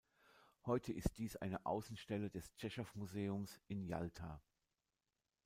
Heute ist dies eine Außenstelle des Tschechow-Museums in Jalta.